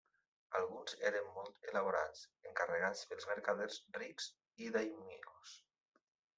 Alguns eren molt elaborats, encarregats per mercaders rics i dàimios.